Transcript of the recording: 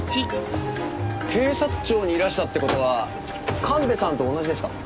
警察庁にいらしたって事は神戸さんと同じですか？